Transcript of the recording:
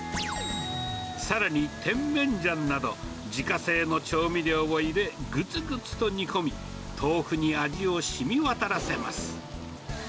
さらにテンメンジャンなど、自家製の調味料を入れ、ぐつぐつと煮込み、豆腐に味をしみわたらせます。